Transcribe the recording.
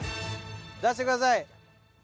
出してください。